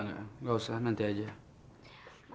nggak usah nanti aja